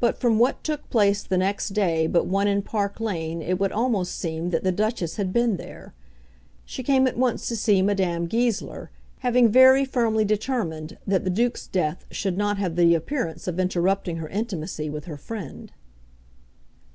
But from what took place the next day but one in Park Lane it would almost seem that the Duchess had been there. She came at once to see Madame Goesler, having very firmly determined that the Duke's death should not have the appearance of interrupting her intimacy with her friend.